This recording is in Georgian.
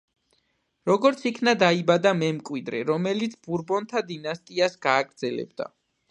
როგორც იქნა დაიბადა მემკვიდრე, რომელიც ბურბონთა დინასტიას გააგრძელებდა.